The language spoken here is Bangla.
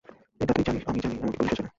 এটা তুই জানিস, আমি জানি, এমনকি পুলিশও জানে।